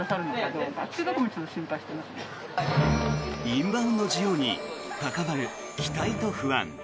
インバウンド需要に高まる期待と不安。